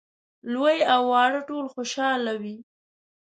لوی او واړه ټول خوشاله وي.